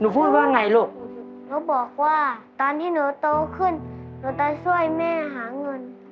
พูดว่าไงลูกเขาบอกว่าตอนที่หนูโตขึ้นหนูจะช่วยแม่หาเงิน